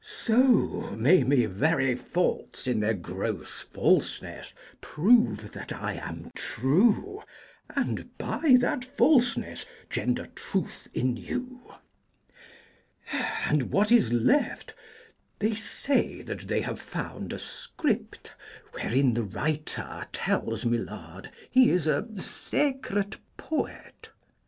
So may my very faults In their gross falseness prove that I am true, And by that falseness gender truth in you. And what is left? They say that they have found A script, wherein the writer tells my Lord He is a secret poet.